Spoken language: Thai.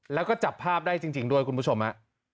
แล้วก็จับภาพได้จริงด้วยคุณผู้ชมฮะ